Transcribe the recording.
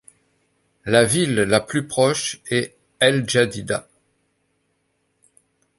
La ville la plus proche est El Jadida.